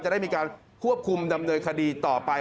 ได้มีการควบคุมดำเนินคดีต่อไป